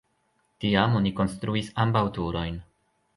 Tiam oni konstruis ambaŭ turojn.